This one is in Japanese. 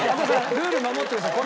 ルール守ってください。